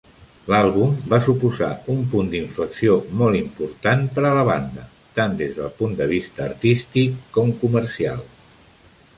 L'àlbum va suposar un punt d'inflexió molt important per a la banda, tant des del punt de vista artístic com comercial.